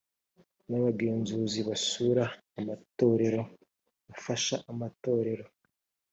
n abagenzuzi basura amatorero bafasha amatorero